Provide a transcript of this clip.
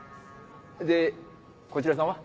でこちらさんは？